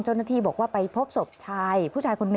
เจ้านาธิบอกว่าไปพบศพชายผู้ชายขน๑